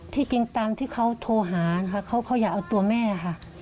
จริงตามที่เขาโทรหานะคะเขาอยากเอาตัวแม่ค่ะ